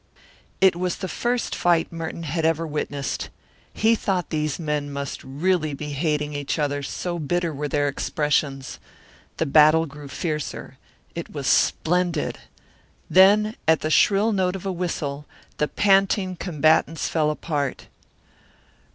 It was the first fight Merton had ever witnessed. He thought these men must really be hating each other, so bitter were their expressions. The battle grew fiercer. It was splendid. Then, at the shrill note of a whistle, the panting combatants fell apart.